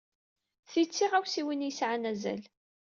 Ti d tiɣawsiwin ay yesɛan azal.